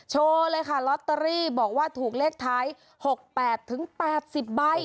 โชว์เลยค่ะลอตเตอรี่บอกว่าถูกเลขท้าย๖๘๘๐ใบ